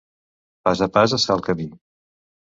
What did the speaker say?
Pas a pas es fa camí.